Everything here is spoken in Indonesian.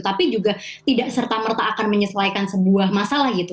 tapi juga tidak serta merta akan menyesuaikan sebuah masalah gitu